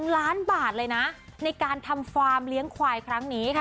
๑ล้านบาทเลยนะในการทำฟาร์มเลี้ยงควายครั้งนี้ค่ะ